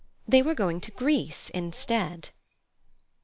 They were going to Greece instead.